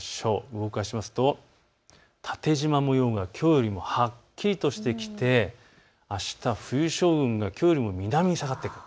動かしますと縦じま模様がきょうよりもはっきりとしてきてあした冬将軍がきょうよりも南に下がってくる。